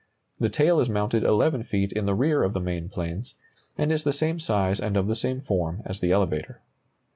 The tail is mounted 11 feet in the rear of the main planes, and is the same size and of the same form as the elevator.